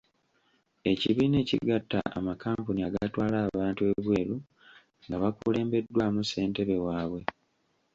Ekibiina ekigatta amakampuni agatwala abantu ebweru nga bakulembeddwamu ssentebe waabwe.